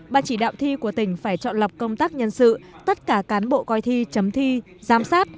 ban chỉ đạo thi của tỉnh phải chọn lọc công tác nhân sự tất cả cán bộ coi thi chấm thi giám sát